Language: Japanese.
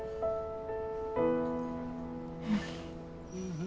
うん。